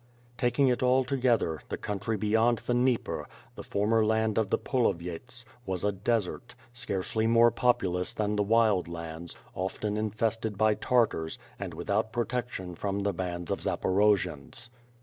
Taking it all together, the country beyond the Dnieper, the former land of the Polovyets, was a desert, scarcely more populous than the Wild Lands, often infested by Tartars, and without protection from the bands of Zaporo jians.